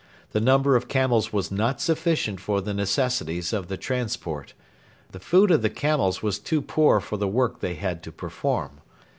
The number of camels was not sufficient for the necessities of the transport. The food of the camels was too poor for the work they had to perform.